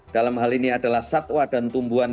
dalam hal ini adalah satwa dan tumbuhan